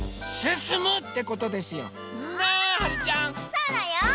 そうだよ！